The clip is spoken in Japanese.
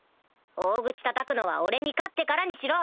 大口たたくのは俺に勝ってからにしろ。